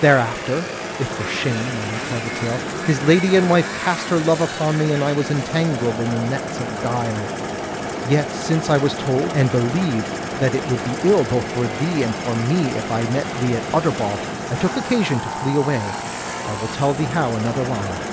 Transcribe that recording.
Thereafter, if for shame I may tell the tale, his lady and wife cast her love upon me, and I was entangled in the nets of guile: yet since I was told, and believed that it would be ill both for thee and for me if I met thee at Utterbol, I took occasion to flee away, I will tell thee how another while."